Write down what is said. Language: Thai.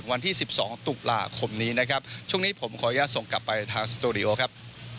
วันที่๑๒ตุลาคมช่วงนี้ผมขออย่างนี้ส่งกลับไปทางสตรีโอครับ